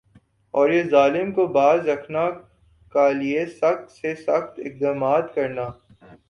اور یِہ ظالم کو باز رکھنا کا لئے سخت سے سخت اقدامات کرنا